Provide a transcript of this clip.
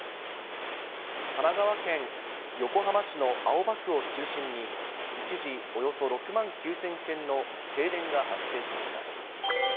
神奈川県横浜市の青葉区を中心に、一時およそ６万９０００軒の停電が発生しました。